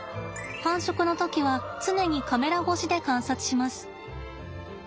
繁殖の時は常にカメラ越しで観察します。